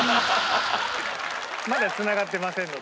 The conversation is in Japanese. まだつながってませんので。